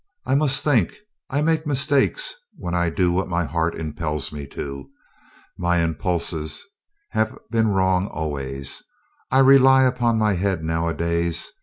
I must think. I make mistakes when I do what my heart impels me to. My impulses have been wrong always. I rely upon my head nowadays.